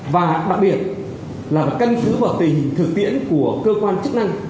và đặc biệt là căn cứ vào tình thực tiễn của cơ quan chức năng